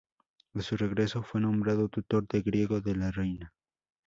A su regreso, fue nombrado Tutor de Griego de la Reina.